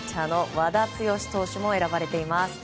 和田毅投手も選ばれています。